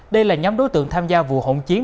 đây là nhóm đối tượng tham gia vụ hỗn chiến